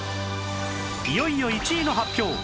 いよいよ１位の発表！